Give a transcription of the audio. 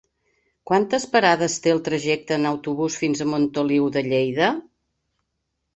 Quantes parades té el trajecte en autobús fins a Montoliu de Lleida?